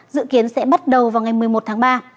dự kiến sẽ bắt đầu vào ngày một mươi một tháng ba